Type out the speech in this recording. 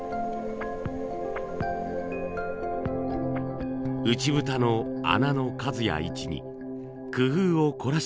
内蓋の穴の数や位置に工夫を凝らしたといいます。